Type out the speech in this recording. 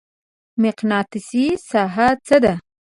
مقناطیسي ساحه څه ده؟